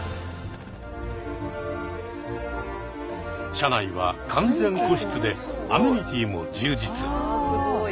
車内は完全個室でアメニティーも充実。